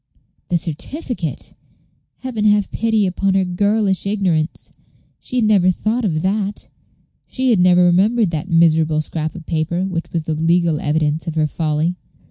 The certificate! Heaven have pity upon her girlish ignorance! She had never thought of that; she had never remembered that miserable scrap of paper which was the legal evidence of her folly.